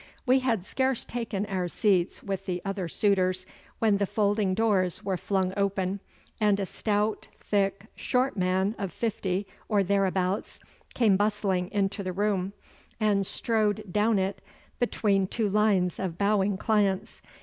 We had scarce taken our seats with the other suitors, when the folding doors were flung open, and a stout, thick, short man of fifty, or thereabouts, came bustling into the room, and strode down it between two lines of bowing clients.